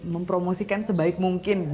mempromosikan sebaik mungkin